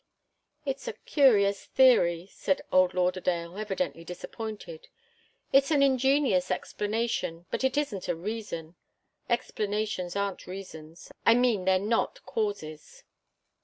"It's a curious theory," said old Lauderdale, evidently disappointed. "It's an ingenious explanation, but it isn't a reason. Explanations aren't reasons I mean, they're not causes."